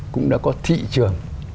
cũng đã có thị trường